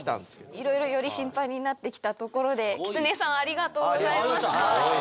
いろいろよりシンパイになってきたところできつねさんありがとうございました。